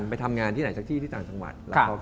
การทำงานที่ไหนจากที่ต่างสังหวัด